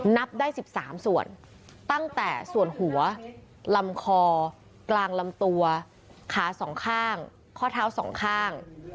นับได้๑๓ส่วนตั้งแต่ส่วนหัวลำคอกลางลำตัวขาสองข้างข้อเท้าสองข้าง